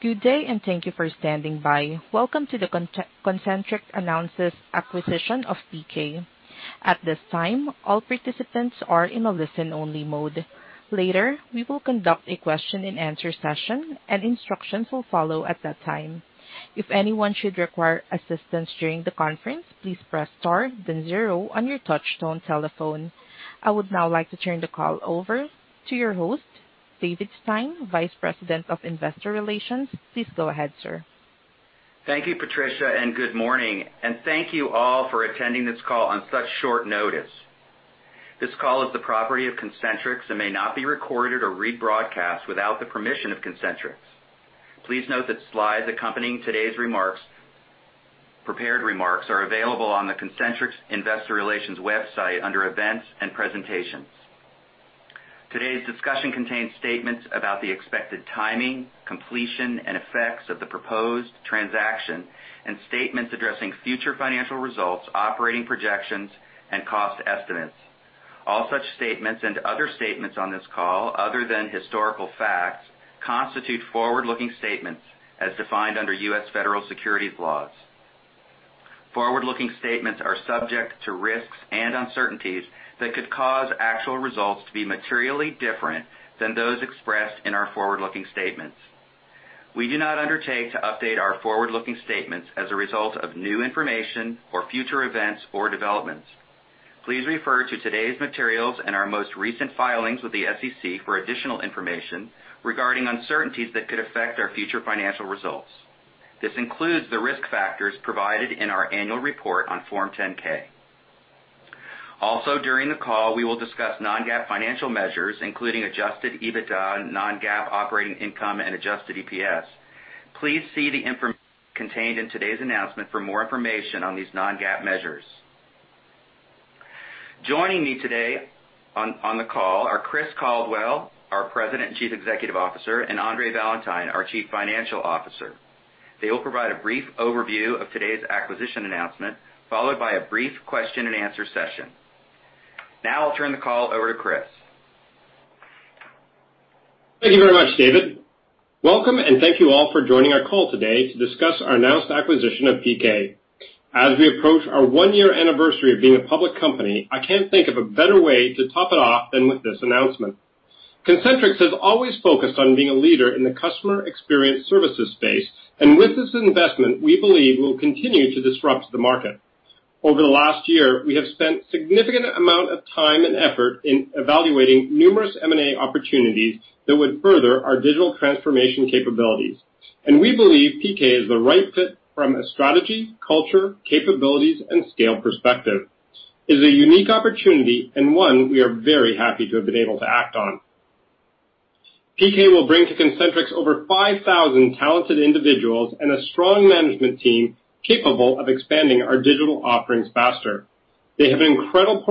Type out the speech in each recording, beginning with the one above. Good day, and thank you for standing by. Welcome to the Concentrix Announces Acquisition of PK. At this time, all participants are in a listen-only mode. Later, we will conduct a question-and-answer session, and instructions will follow at that time. If anyone should require assistance during the conference, please press star, then zero on your touch-tone telephone. I would now like to turn the call over to your host, David Stein, Vice President of Investor Relations. Please go ahead, sir. Thank you, Patricia, and good morning, and thank you all for attending this call on such short notice. This call is the property of Concentrix and may not be recorded or rebroadcast without the permission of Concentrix. Please note that slides accompanying today's prepared remarks are available on the Concentrix Investor Relations website under Events and Presentations. Today's discussion contains statements about the expected timing, completion, and effects of the proposed transaction, and statements addressing future financial results, operating projections, and cost estimates. All such statements and other statements on this call, other than historical facts, constitute forward-looking statements as defined under U.S. federal securities laws. Forward-looking statements are subject to risks and uncertainties that could cause actual results to be materially different than those expressed in our forward-looking statements. We do not undertake to update our forward-looking statements as a result of new information or future events or developments. Please refer to today's materials and our most recent filings with the SEC for additional information regarding uncertainties that could affect our future financial results. This includes the risk factors provided in our annual report on Form 10-K. Also, during the call, we will discuss non-GAAP financial measures, including Adjusted EBITDA, non-GAAP operating income, and Adjusted EPS. Please see the information contained in today's announcement for more information on these non-GAAP measures. Joining me today on the call are Chris Caldwell, our President and Chief Executive Officer, and Andre Valentine, our Chief Financial Officer. They will provide a brief overview of today's acquisition announcement, followed by a brief question-and-answer session. Now I'll turn the call over to Chris. Thank you very much, David. Welcome, and thank you all for joining our call today to discuss our announced acquisition of PK. As we approach our one-year anniversary of being a public company, I can't think of a better way to top it off than with this announcement. Concentrix has always focused on being a leader in the customer experience services space, and with this investment, we believe we'll continue to disrupt the market. Over the last year, we have spent a significant amount of time and effort in evaluating numerous M&A opportunities that would further our digital transformation capabilities, and we believe PK is the right fit from a strategy, culture, capabilities, and scale perspective. It is a unique opportunity and one we are very happy to have been able to act on. PK will bring to Concentrix over 5,000 talented individuals and a strong management team capable of expanding our digital offerings faster. They have an incredible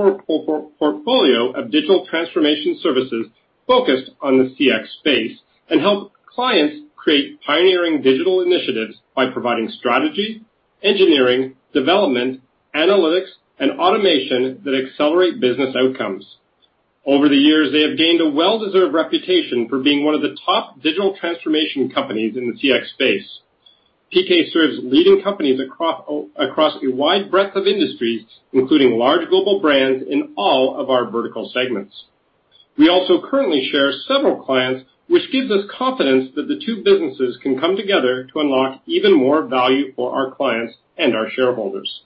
portfolio of digital transformation services focused on the CX space and help clients create pioneering digital initiatives by providing strategy, engineering, development, analytics, and automation that accelerate business outcomes. Over the years, they have gained a well-deserved reputation for being one of the top digital transformation companies in the CX space. PK serves leading companies across a wide breadth of industries, including large global brands in all of our vertical segments. We also currently share several clients, which gives us confidence that the two businesses can come together to unlock even more value for our clients and our shareholders.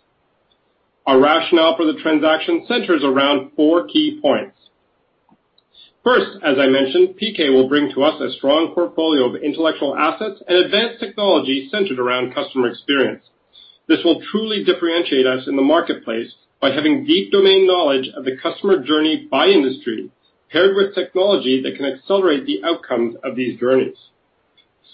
Our rationale for the transaction centers around four key points. First, as I mentioned, PK will bring to us a strong portfolio of intellectual assets and advanced technology centered around customer experience. This will truly differentiate us in the marketplace by having deep domain knowledge of the customer journey by industry, paired with technology that can accelerate the outcomes of these journeys.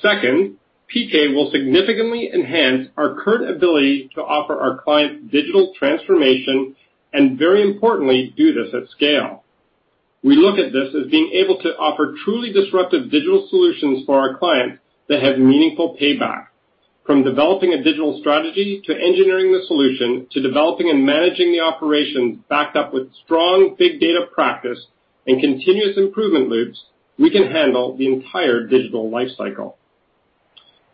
Second, PK will significantly enhance our current ability to offer our clients digital transformation and, very importantly, do this at scale. We look at this as being able to offer truly disruptive digital solutions for our clients that have meaningful payback. From developing a digital strategy to engineering the solution to developing and managing the operations backed up with strong big data practice and continuous improvement loops, we can handle the entire digital lifecycle.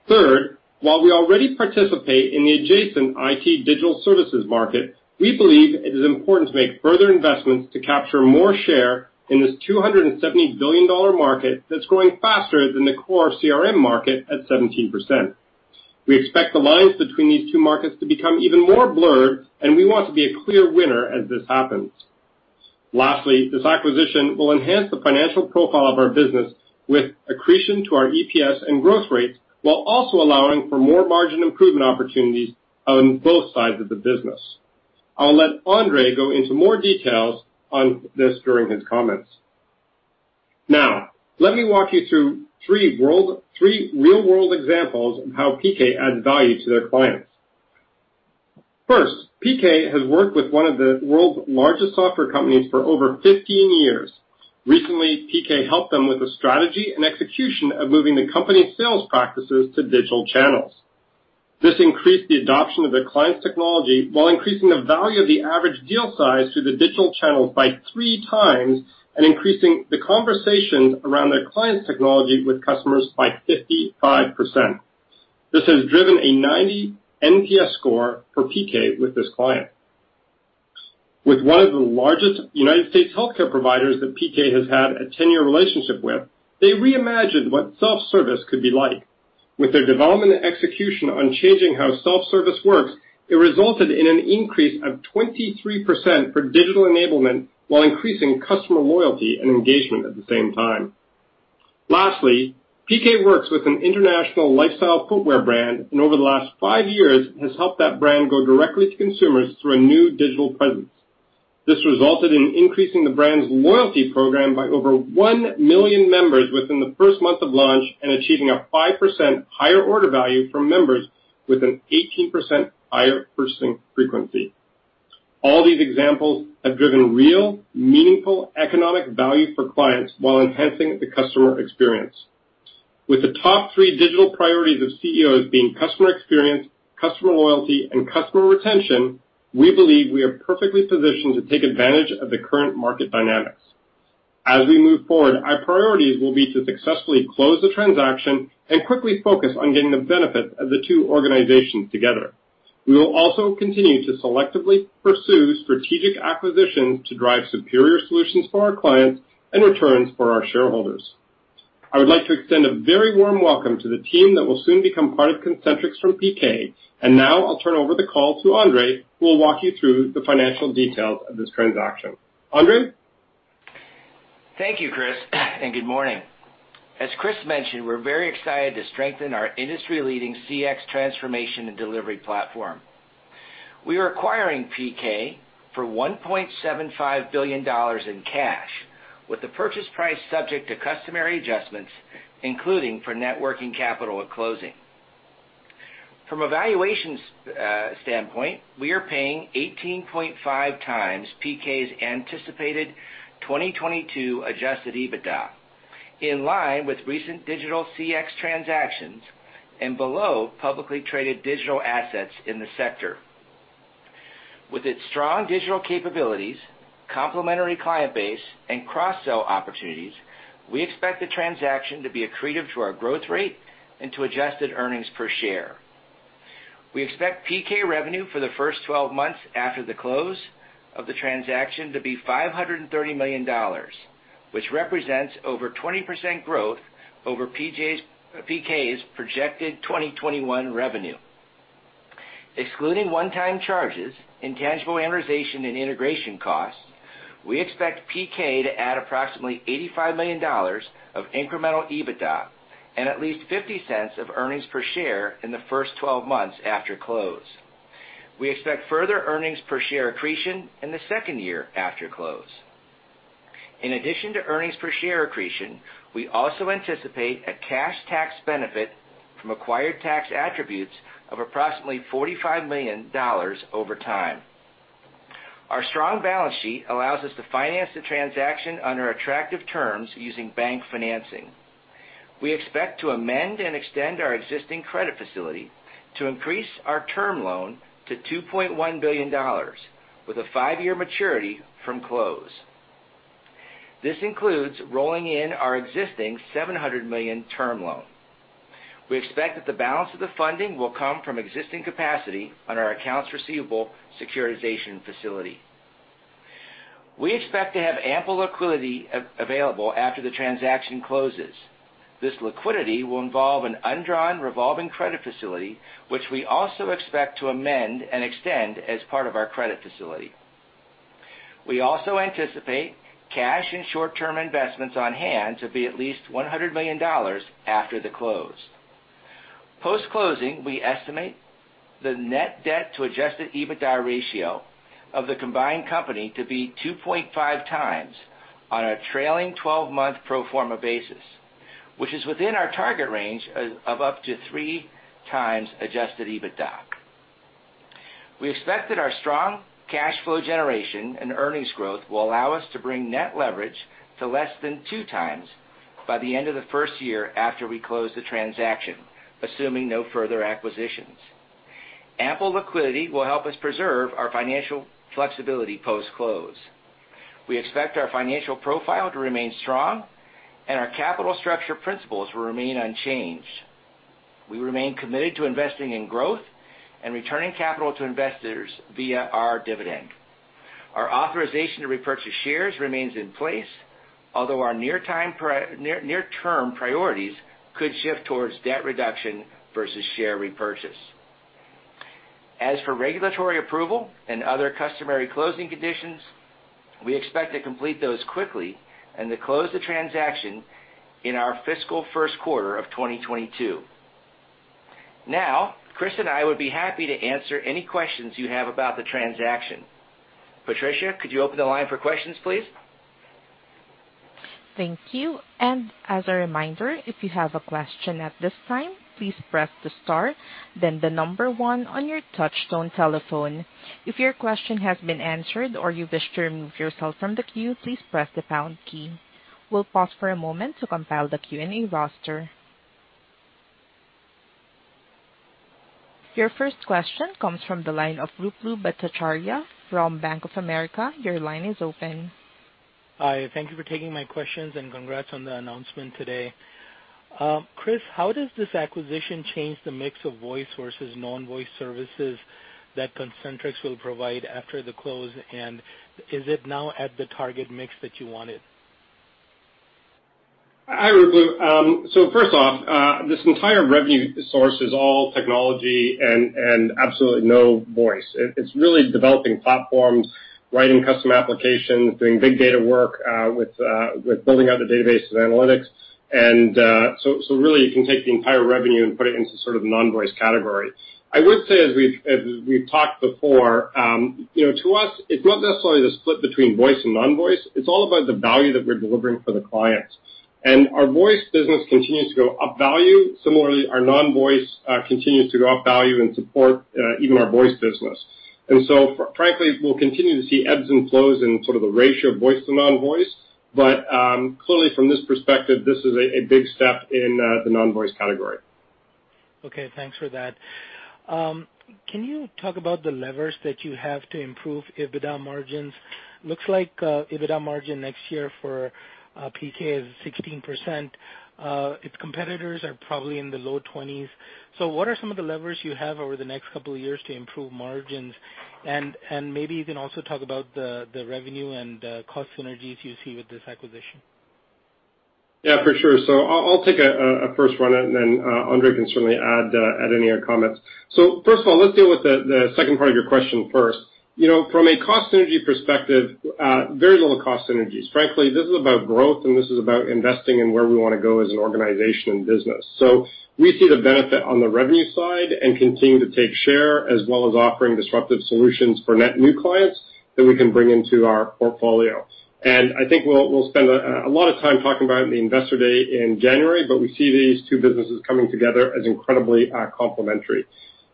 Third, while we already participate in the adjacent IT digital services market, we believe it is important to make further investments to capture more share in this $270 billion market that's growing faster than the core CRM market at 17%. We expect the lines between these two markets to become even more blurred, and we want to be a clear winner as this happens. Lastly, this acquisition will enhance the financial profile of our business with accretion to our EPS and growth rates while also allowing for more margin improvement opportunities on both sides of the business. I'll let Andre go into more details on this during his comments. Now, let me walk you through three real-world examples of how PK adds value to their clients. First, PK has worked with one of the world's largest software companies for over 15 years. Recently, PK helped them with the strategy and execution of moving the company's sales practices to digital channels. This increased the adoption of their client's technology while increasing the value of the average deal size through the digital channels by three times and increasing the conversations around their client's technology with customers by 55%. This has driven a 90 NPS score for PK with this client. With one of the largest United States healthcare providers that PK has had a 10-year relationship with, they reimagined what self-service could be like. With their development and execution on changing how self-service works, it resulted in an increase of 23% for digital enablement while increasing customer loyalty and engagement at the same time. Lastly, PK works with an international lifestyle footwear brand, and over the last five years, has helped that brand go directly to consumers through a new digital presence. This resulted in increasing the brand's loyalty program by over one million members within the first month of launch and achieving a 5% higher order value for members with an 18% higher purchasing frequency. All these examples have driven real, meaningful economic value for clients while enhancing the customer experience. With the top three digital priorities of CEOs being customer experience, customer loyalty, and customer retention, we believe we are perfectly positioned to take advantage of the current market dynamics. As we move forward, our priorities will be to successfully close the transaction and quickly focus on getting the benefit of the two organizations together. We will also continue to selectively pursue strategic acquisitions to drive superior solutions for our clients and returns for our shareholders. I would like to extend a very warm welcome to the team that will soon become part of Concentrix from PK, and now I'll turn over the call to Andre, who will walk you through the financial details of this transaction. Andre? Thank you, Chris, and good morning. As Chris mentioned, we're very excited to strengthen our industry-leading CX transformation and delivery platform. We are acquiring PK for $1.75 billion in cash, with the purchase price subject to customary adjustments, including for net working capital at closing. From a valuation standpoint, we are paying 18.5x PK's anticipated 2022 Adjusted EBITDA, in line with recent digital CX transactions and below publicly traded digital assets in the sector. With its strong digital capabilities, complementary client base, and cross-sell opportunities, we expect the transaction to be accretive to our growth rate and to adjusted earnings per share. We expect PK revenue for the first 12 months after the close of the transaction to be $530 million, which represents over 20% growth over PK's projected 2021 revenue. Excluding one-time charges, intangible amortization, and integration costs, we expect PK to add approximately $85 million of incremental EBITDA and at least $0.50 of earnings per share in the first 12 months after close. We expect further earnings per share accretion in the second year after close. In addition to earnings per share accretion, we also anticipate a cash tax benefit from acquired tax attributes of approximately $45 million over time. Our strong balance sheet allows us to finance the transaction under attractive terms using bank financing. We expect to amend and extend our existing credit facility to increase our term loan to $2.1 billion, with a five-year maturity from close. This includes rolling in our existing $700 million term loan. We expect that the balance of the funding will come from existing capacity on our accounts receivable securitization facility. We expect to have ample liquidity available after the transaction closes. This liquidity will involve an undrawn revolving credit facility, which we also expect to amend and extend as part of our credit facility. We also anticipate cash and short-term investments on hand to be at least $100 million after the close. Post-closing, we estimate the net debt to Adjusted EBITDA ratio of the combined company to be 2.5x on a trailing 12-month pro forma basis, which is within our target range of up to three times Adjusted EBITDA. We expect that our strong cash flow generation and earnings growth will allow us to bring net leverage to less than two times by the end of the first year after we close the transaction, assuming no further acquisitions. Ample liquidity will help us preserve our financial flexibility post-close. We expect our financial profile to remain strong, and our capital structure principles will remain unchanged. We remain committed to investing in growth and returning capital to investors via our dividend. Our authorization to repurchase shares remains in place, although our near-term priorities could shift towards debt reduction versus share repurchase. As for regulatory approval and other customary closing conditions, we expect to complete those quickly and to close the transaction in our fiscal first quarter of 2022. Now, Chris and I would be happy to answer any questions you have about the transaction. Patricia, could you open the line for questions, please? Thank you, and as a reminder, if you have a question at this time, please press the star, then the number one on your touch-tone telephone. If your question has been answered or you wish to remove yourself from the queue, please press the pound key. We'll pause for a moment to compile the Q&A roster. Your first question comes from the line of Ruplu Bhattacharya from Bank of America. Your line is open. Hi. Thank you for taking my questions and congrats on the announcement today. Chris, how does this acquisition change the mix of voice versus non-voice services that Concentrix will provide after the close, and is it now at the target mix that you wanted? Hi, Ruplu. So first off, this entire revenue source is all technology and absolutely no voice. It's really developing platforms, writing custom applications, doing big data work, with building out the database of analytics and so really, you can take the entire revenue and put it into sort of the non-voice category. I would say, as we've talked before, to us, it's not necessarily the split between voice and non-voice. It's all about the value that we're delivering for the client. And our voice business continues to go up value. Similarly, our non-voice continues to go up value and support even our voice business. And so, frankly, we'll continue to see ebbs and flows in sort of the ratio of voice to non-voice. But clearly, from this perspective, this is a big step in the non-voice category. Okay. Thanks for that. Can you talk about the levers that you have to improve EBITDA margins? Looks like EBITDA margin next year for PK is 16%. Its competitors are probably in the low 20s. So what are some of the levers you have over the next couple of years to improve margins? And maybe you can also talk about the revenue and cost synergies you see with this acquisition. Yeah, for sure. So I'll take a first run at it, and then Andre can certainly add any other comments. So first of all, let's deal with the second part of your question first. From a cost synergy perspective, very little cost synergies. Frankly, this is about growth, and this is about investing in where we want to go as an organization and business. So we see the benefit on the revenue side and continue to take share as well as offering disruptive solutions for net new clients that we can bring into our portfolio. And I think we'll spend a lot of time talking about it in the investor day in January, but we see these two businesses coming together as incredibly complementary.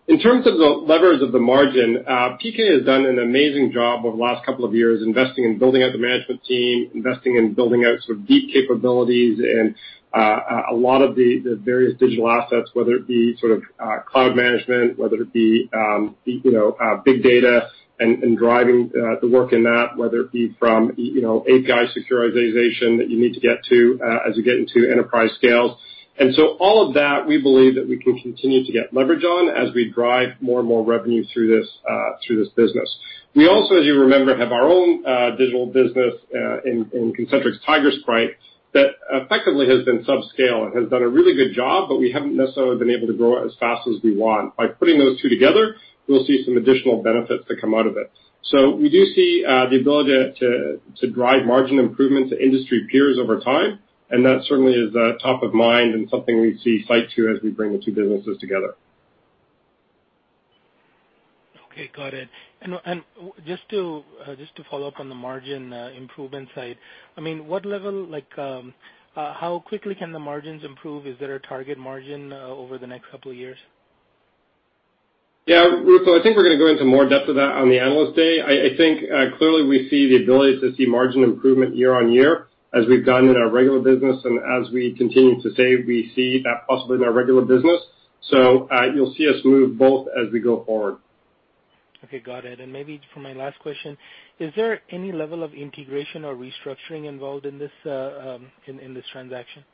In terms of the levers of the margin, PK has done an amazing job over the last couple of years investing in building out the management team, investing in building out sort of deep capabilities in a lot of the various digital assets, whether it be sort of cloud management, whether it be big data and driving the work in that, whether it be from API security that you need to get to as you get into enterprise scales and so all of that, we believe that we can continue to get leverage on as we drive more and more revenue through this business. We also, as you remember, have our own digital business in Concentrix, Tigerspike, that effectively has been subscale and has done a really good job, but we haven't necessarily been able to grow it as fast as we want. By putting those two together, we'll see some additional benefits that come out of it. So we do see the ability to drive margin improvement to industry peers over time, and that certainly is top of mind and something we see set to as we bring the two businesses together. Okay. Got it, and just to follow up on the margin improvement side, I mean, what level, how quickly can the margins improve? Is there a target margin over the next couple of years? Yeah, Ruplu, I think we're going to go into more depth of that on the analyst day. I think clearly we see the ability to see margin improvement year on year as we've done in our regular business, and as we continue to save, we see that possibly in our regular business. So you'll see us move both as we go forward. Okay. Got it. And maybe for my last question, is there any level of integration or restructuring involved in this transaction?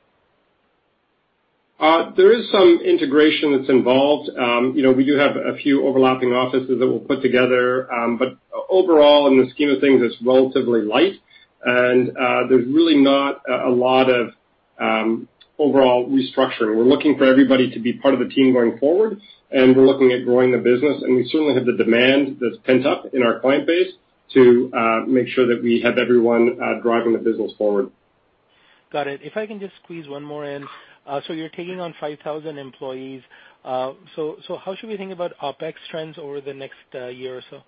There is some integration that's involved. We do have a few overlapping offices that we'll put together, but overall, in the scheme of things, it's relatively light, and there's really not a lot of overall restructuring. We're looking for everybody to be part of the team going forward, and we're looking at growing the business, and we certainly have the demand that's pent up in our client base to make sure that we have everyone driving the business forward. Got it. If I can just squeeze one more in. So you're taking on 5,000 employees. So how should we think about OpEx trends over the next year or so? Yeah. So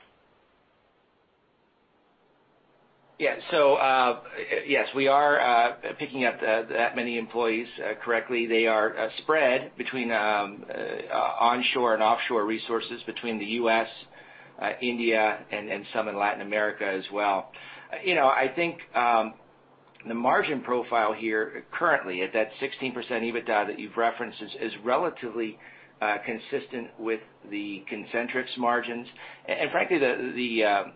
yes, we are picking up that many employees correctly. They are spread between onshore and offshore resources between the U.S., India, and some in Latin America as well. I think the margin profile here currently at that 16% EBITDA that you've referenced is relatively consistent with the Concentrix margins and frankly, the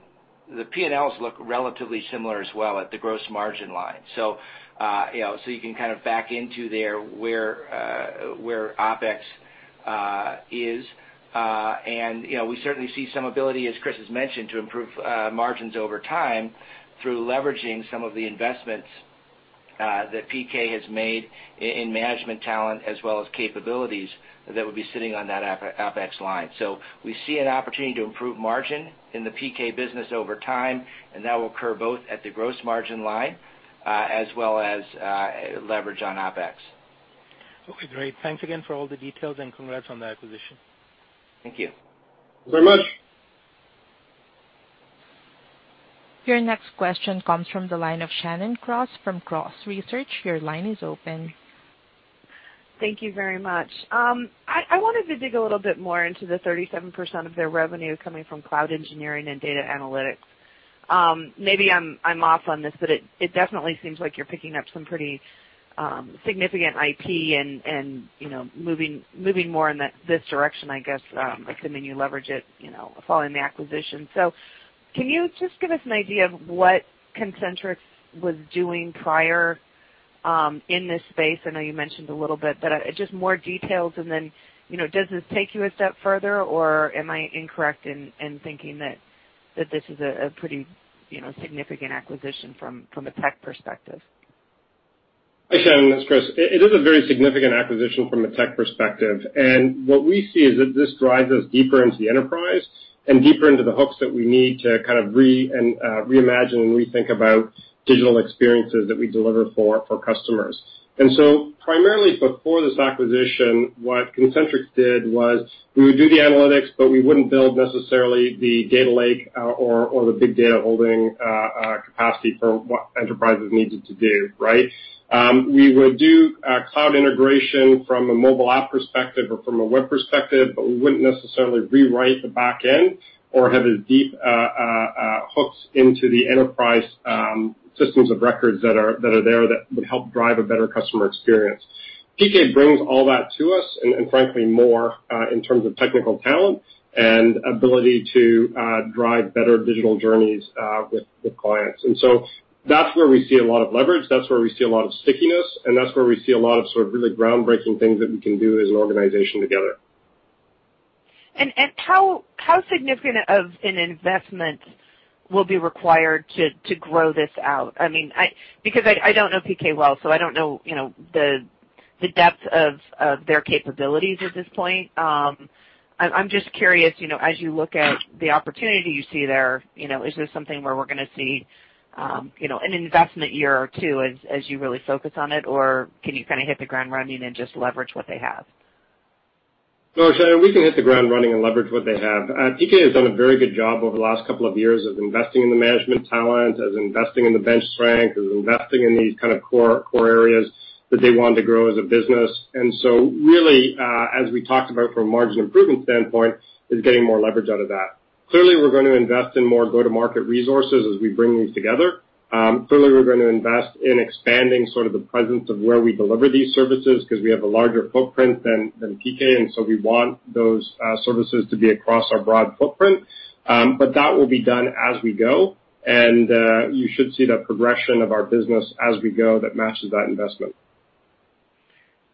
P&Ls look relatively similar as well at the gross margin line. So you can kind of back into there where OpEx is and we certainly see some ability, as Chris has mentioned, to improve margins over time through leveraging some of the investments that PK has made in management talent as well as capabilities that would be sitting on that OpEx line. So we see an opportunity to improve margin in the PK business over time, and that will occur both at the gross margin line as well as leverage on OpEx. Okay. Great. Thanks again for all the details and congrats on the acquisition. Thank you. Thank you very much. Your next question comes from the line of Shannon Cross from Cross Research. Your line is open. Thank you very much. I wanted to dig a little bit more into the 37% of their revenue coming from cloud engineering and data analytics. Maybe I'm off on this, but it definitely seems like you're picking up some pretty significant IP and moving more in this direction, I guess, assuming you leverage it following the acquisition. So can you just give us an idea of what Concentrix was doing prior in this space? I know you mentioned a little bit, but just more details, and then does this take you a step further, or am I incorrect in thinking that this is a pretty significant acquisition from a tech perspective? Hi, Shannon. That's Chris. It is a very significant acquisition from a tech perspective. And what we see is that this drives us deeper into the enterprise and deeper into the hooks that we need to kind of reimagine and rethink about digital experiences that we deliver for customers and so primarily before this acquisition, what Concentrix did was we would do the analytics, but we wouldn't build necessarily the data lake or the big data holding capacity for what enterprises needed to do, right? We would do cloud integration from a mobile app perspective or from a web perspective, but we wouldn't necessarily rewrite the back end or have as deep hooks into the enterprise systems of records that are there that would help drive a better customer experience. PK brings all that to us, and frankly, more in terms of technical talent and ability to drive better digital journeys with clients, and so that's where we see a lot of leverage. That's where we see a lot of stickiness, and that's where we see a lot of sort of really groundbreaking things that we can do as an organization together. How significant of an investment will be required to grow this out? I mean, because I don't know PK well, so I don't know the depth of their capabilities at this point. I'm just curious, as you look at the opportunity you see there, is this something where we're going to see an investment year or two as you really focus on it, or can you kind of hit the ground running and just leverage what they have? No, Shannon, we can hit the ground running and leverage what they have. PK has done a very good job over the last couple of years of investing in the management talent, as investing in the bench strength, as investing in these kind of core areas that they want to grow as a business and so really, as we talked about from a margin improvement standpoint, it's getting more leverage out of that. Clearly, we're going to invest in more go-to-market resources as we bring these together. Clearly, we're going to invest in expanding sort of the presence of where we deliver these services because we have a larger footprint than PK, and so we want those services to be across our broad footprint. But that will be done as we go, and you should see the progression of our business as we go that matches that investment.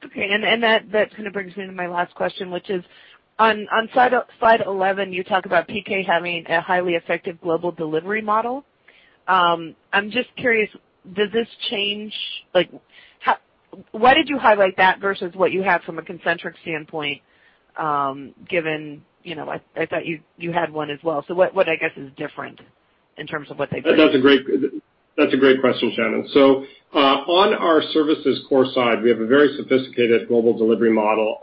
Okay, and that kind of brings me to my last question, which is on Slide 11. You talk about PK having a highly effective global delivery model. I'm just curious, does this change? Why did you highlight that versus what you have from a Concentrix standpoint, given I thought you had one as well, so what, I guess, is different in terms of what they've done? That's a great question, Shannon. So on our services core side, we have a very sophisticated global delivery model.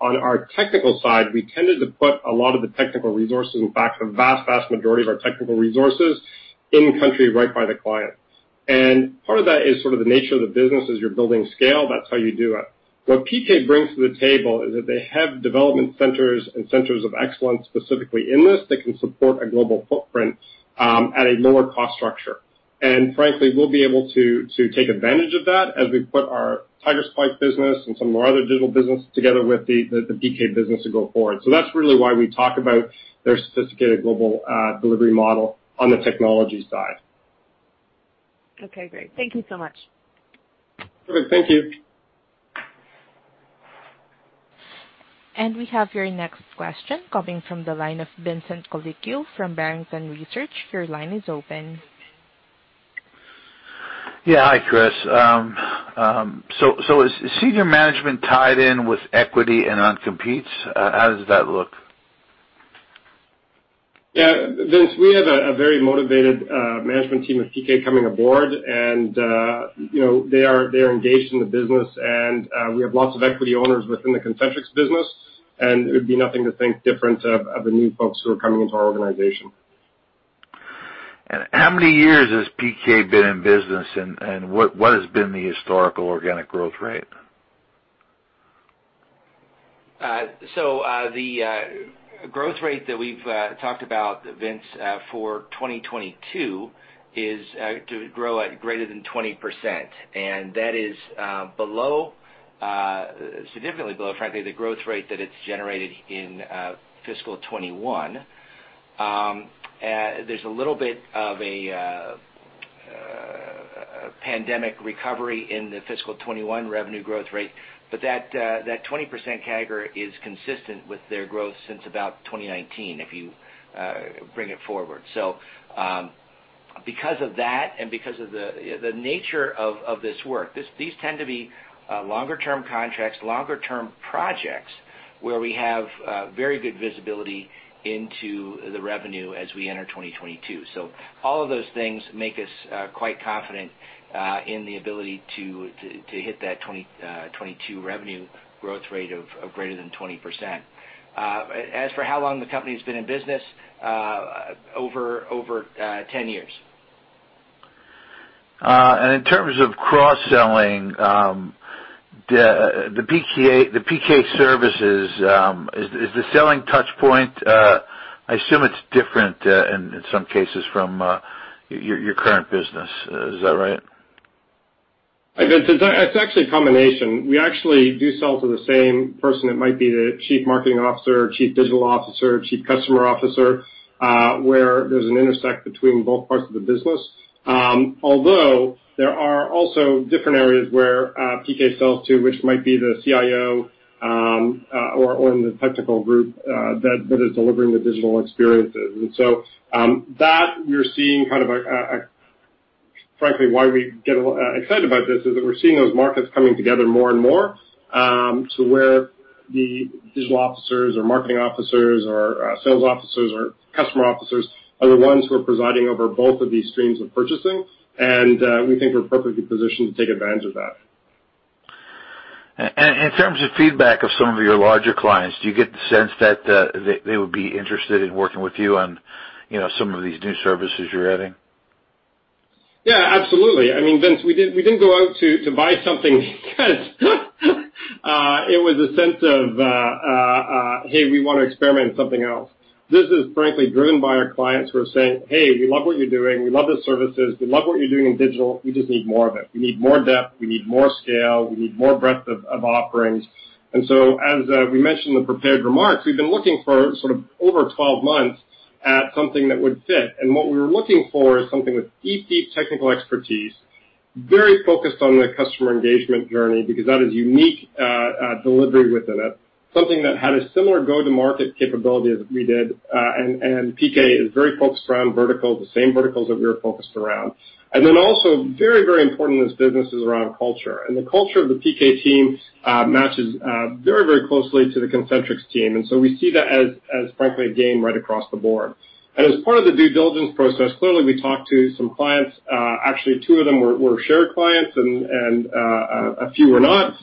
On our technical side, we tended to put a lot of the technical resources, in fact, the vast, vast majority of our technical resources in-country right by the client and part of that is sort of the nature of the business as you're building scale. That's how you do it. What PK brings to the table is that they have development centers and centers of excellence specifically in this that can support a global footprint at a lower cost structure. And frankly, we'll be able to take advantage of that as we put our Tigerspike business and some of our other digital business together with the PK business to go forward. So that's really why we talk about their sophisticated global delivery model on the technology side. Okay. Great. Thank you so much. Perfect. Thank you. We have your next question coming from the line of Vincent Colicchio from Barrington Research. Your line is open. Yeah. Hi, Chris, so is senior management tied in with equity and non-competes? How does that look? Yeah. We have a very motivated management team of PK coming aboard, and they are engaged in the business, and we have lots of equity owners within the Concentrix business, and it would be nothing to think different of the new folks who are coming into our organization. How many years has PK been in business, and what has been the historical organic growth rate? So the growth rate that we've talked about, Vince, for 2022 is to grow at greater than 20%, and that is significantly below, frankly, the growth rate that it's generated in fiscal 2021. There's a little bit of a pandemic recovery in the fiscal 2021 revenue growth rate, but that 20% CAGR is consistent with their growth since about 2019, if you bring it forward. So because of that and because of the nature of this work, these tend to be longer-term contracts, longer-term projects where we have very good visibility into the revenue as we enter 2022. So all of those things make us quite confident in the ability to hit that 2022 revenue growth rate of greater than 20%. As for how long the company has been in business, over 10 years. In terms of cross-selling the PK services, is the selling touchpoint, I assume it's different in some cases from your current business? Is that right? It's actually a combination. We actually do sell to the same person. It might be the Chief Marketing Officer, Chief Digital Officer, Chief Customer Officer, where there's an intersection between both parts of the business. Although there are also different areas where PK sells to, which might be the CIO or in the technical group that is delivering the digital experiences and so that, we're seeing kind of a frankly, why we get excited about this is that we're seeing those markets coming together more and more to where the digital officers or marketing officers or sales officers or customer officers are the ones who are presiding over both of these streams of purchasing, and we think we're perfectly positioned to take advantage of that. In terms of feedback of some of your larger clients, do you get the sense that they would be interested in working with you on some of these new services you're adding? Yeah, absolutely. I mean, Vince, we didn't go out to buy something because it was a sense of, "Hey, we want to experiment something else." This is frankly driven by our clients who are saying, "Hey, we love what you're doing. We love the services. We love what you're doing in digital. We just need more of it. We need more depth. We need more scale. We need more breadth of offerings." And so as we mentioned in the prepared remarks, we've been looking for sort of over 12 months at something that would fit. And what we were looking for is something with deep, deep technical expertise, very focused on the customer engagement journey because that is unique delivery within it, something that had a similar go-to-market capability as we did, and PK is very focused around verticals, the same verticals that we were focused around. And then also very, very important in this business is around culture. The culture of the PK team matches very, very closely to the Concentrix team. So we see that as frankly a game-changer across the board. As part of the due diligence process, clearly we talked to some clients. Actually, two of them were shared clients, and a few were not.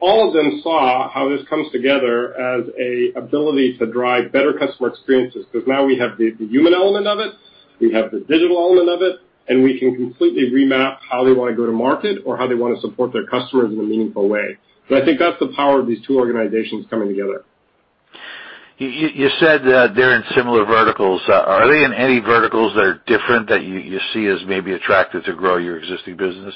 All of them saw how this comes together as an ability to drive better customer experiences because now we have the human element of it, we have the digital element of it, and we can completely remap how they want to go to market or how they want to support their customers in a meaningful way. I think that's the power of these two organizations coming together. You said they're in similar verticals. Are they in any verticals that are different that you see as maybe attractive to grow your existing business?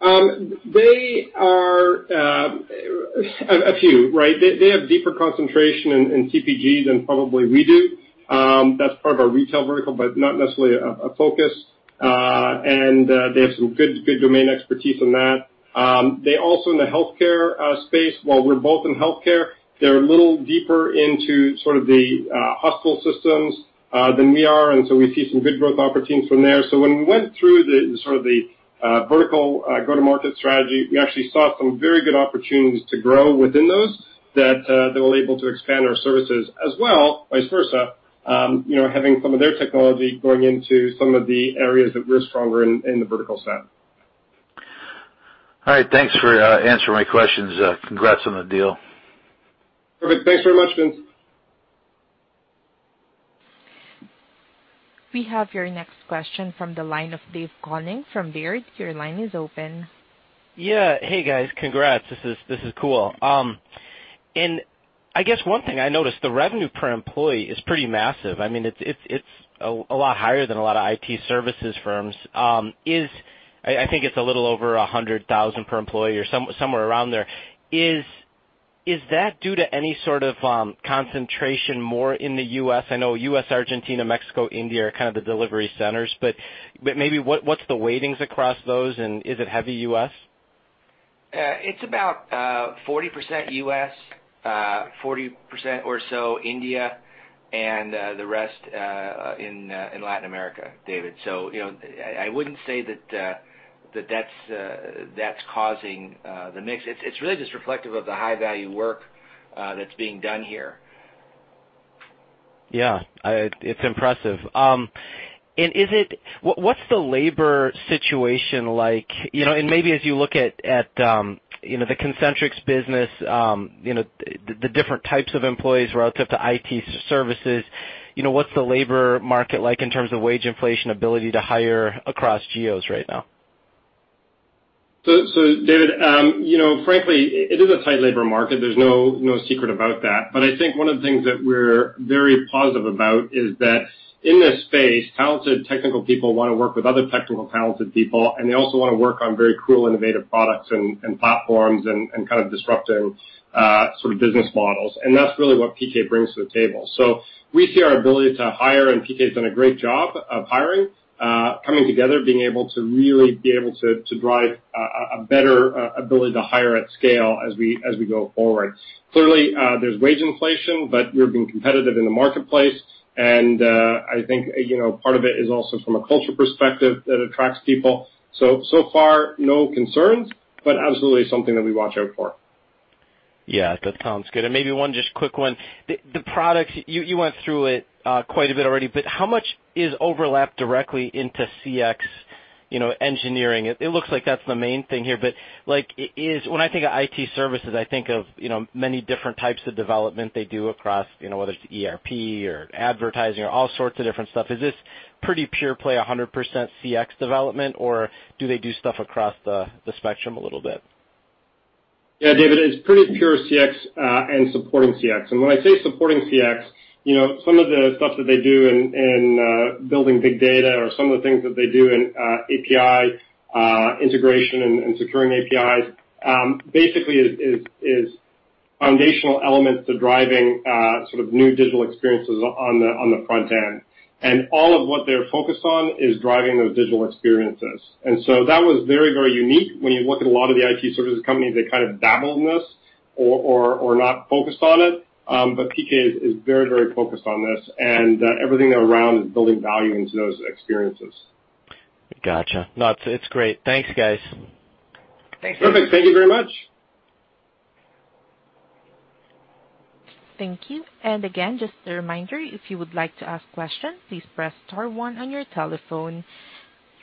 They are a few, right? They have deeper concentration in CPG than probably we do. That's part of our retail vertical, but not necessarily a focus. And they have some good domain expertise in that. They also in the healthcare space, while we're both in healthcare, they're a little deeper into sort of the hospital systems than we are, and so we see some good growth opportunities from there. So when we went through sort of the vertical go-to-market strategy, we actually saw some very good opportunities to grow within those that were able to expand our services as well, vice versa, having some of their technology going into some of the areas that we're stronger in the vertical set. All right. Thanks for answering my questions. Congrats on the deal. Perfect. Thanks very much, Vince. We have your next question from the line of David Koning from Baird. Your line is open. Yeah. Hey, guys. Congrats. This is cool, and I guess one thing I noticed, the revenue per employee is pretty massive. I mean, it's a lot higher than a lot of IT services firms. I think it's a little over $100,000 per employee or somewhere around there. Is that due to any sort of concentration more in the U.S.? I know U.S., Argentina, Mexico, India are kind of the delivery centers, but maybe what's the weightings across those, and is it heavy U.S.? It's about 40% U.S., 40% or so India, and the rest in Latin America, David. So I wouldn't say that that's causing the mix. It's really just reflective of the high-value work that's being done here. Yeah. It's impressive. And what's the labor situation like? And maybe as you look at the Concentrix business, the different types of employees relative to IT services, what's the labor market like in terms of wage inflation, ability to hire across geos right now? So, David, frankly, it is a tight labor market. There's no secret about that. But I think one of the things that we're very positive about is that in this space, talented technical people want to work with other technical talented people, and they also want to work on very cool, innovative products and platforms and kind of disrupting sort of business models and that's really what PK brings to the table. So we see our ability to hire, and PK has done a great job of hiring, coming together, being able to really be able to drive a better ability to hire at scale as we go forward. Clearly, there's wage inflation, but we're being competitive in the marketplace, and I think part of it is also from a culture perspective that attracts people. So far, no concerns, but absolutely something that we watch out for. Yeah. That sounds good, and maybe one just quick one. The products, you went through it quite a bit already, but how much is overlapped directly into CX engineering? It looks like that's the main thing here, but when I think of IT services, I think of many different types of development they do across whether it's ERP or advertising or all sorts of different stuff. Is this pretty pure play, 100% CX development, or do they do stuff across the spectrum a little bit? Yeah, David, it's pretty pure CX and supporting CX. And when I say supporting CX, some of the stuff that they do in building big data or some of the things that they do in API integration and securing APIs basically is foundational elements to driving sort of new digital experiences on the front end and all of what they're focused on is driving those digital experiences. And so that was very, very unique. When you look at a lot of the IT services companies, they kind of dabble in this or not focused on it, but PK is very, very focused on this, and everything around is building value into those experiences. Gotcha. No, it's great. Thanks, guys. Thanks, David. Perfect. Thank you very much. Thank you. And again, just a reminder, if you would like to ask a question, please press star one on your telephone.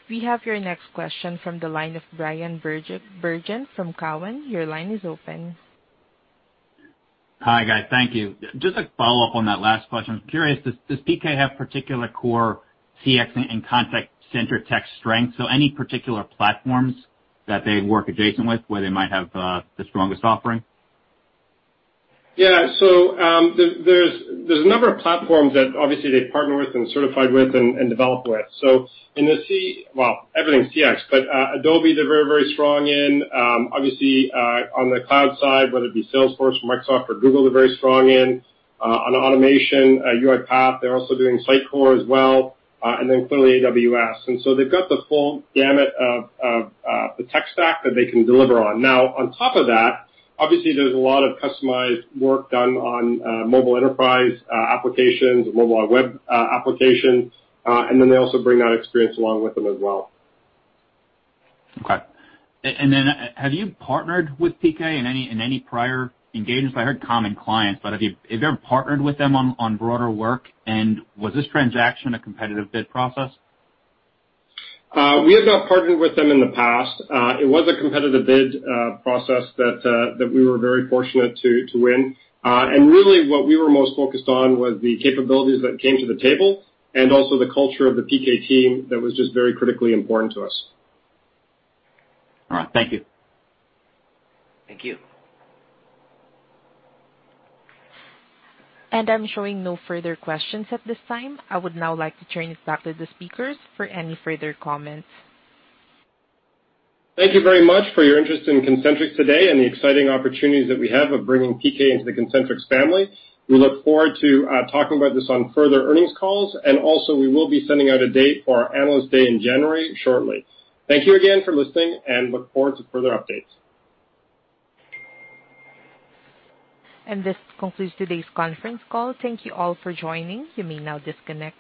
We have your next question from the line of Bryan Bergin from Cowen. Your line is open. Hi, guys. Thank you. Just a follow-up on that last question. I'm curious, does PK have particular core CX and contact center tech strengths? So any particular platforms that they work adjacent with where they might have the strongest offering? Yeah. So there's a number of platforms that obviously they partner with and certified with and develop with. So in the CX, well, everything's CX, but Adobe they're very, very strong in. Obviously, on the cloud side, whether it be Salesforce, Microsoft, or Google, they're very strong in. On automation, UiPath, they're also doing Sitecore as well, and then clearly AWS. And so they've got the full gamut of the tech stack that they can deliver on. Now, on top of that, obviously, there's a lot of customized work done on mobile enterprise applications and mobile web applications, and then they also bring that experience along with them as well. Okay. And then have you partnered with PK in any prior engagements? I heard common clients, but have you ever partnered with them on broader work? And was this transaction a competitive bid process? We have not partnered with them in the past. It was a competitive bid process that we were very fortunate to win. And really, what we were most focused on was the capabilities that came to the table and also the culture of the PK team that was just very critically important to us. All right. Thank you. Thank you. I'm showing no further questions at this time. I would now like to turn it back to the speakers for any further comments. Thank you very much for your interest in Concentrix today and the exciting opportunities that we have of bringing PK into the Concentrix family. We look forward to talking about this on further earnings calls, and also we will be sending out a date for our analyst day in January shortly. Thank you again for listening, and look forward to further updates. This concludes today's conference call. Thank you all for joining. You may now disconnect.